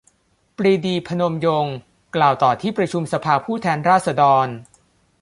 ปรีดี พนมยงค์ กล่าวต่อที่ประชุมสภาผู้แทนราษฎร